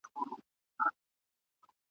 درې زمري یې له هډونو جوړېدله ..